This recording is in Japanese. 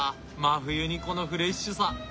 真冬にこのフレッシュさ！